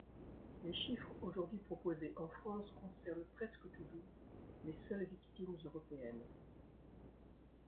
Les chiffres aujourd’hui proposés en France concernent presque toujours les seules victimes européennes.